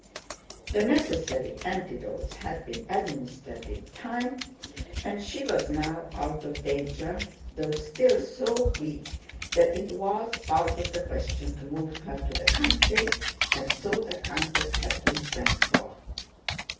The necessary antidotes had been administered in time and she was now out of danger, though still so weak that it was out of the question to move her to the country, and so the countess had been sent for.